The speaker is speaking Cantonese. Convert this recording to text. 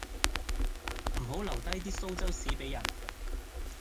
唔好留低啲蘇州屎俾人